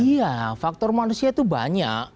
iya faktor manusia itu banyak